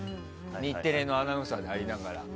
日テレのアナウンサーでありながら。